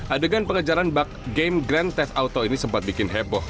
adegan pengejaran bak game grand test auto ini sempat bikin heboh